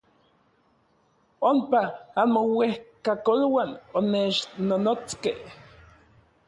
Ompa anmouejkakoluan onechnonotskej.